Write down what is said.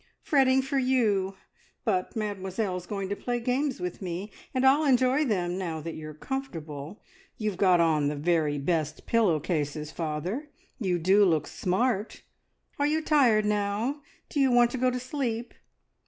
"Fretting for you, but Mademoiselle's going to play games with me, and I'll enjoy them now that you're comfortable. You've got on the very best pillow cases, father. You do look smart! Are you tired now? Do you want to go to sleep?